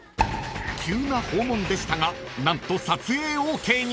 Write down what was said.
［急な訪問でしたが何と］